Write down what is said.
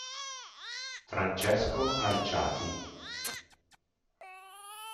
Francesco Alciati